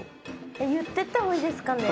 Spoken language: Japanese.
言ってった方がいいですかね？